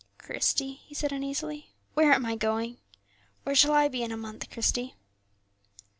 "Christie," he said, uneasily, "where am I going? Where shall I be in a month, Christie?"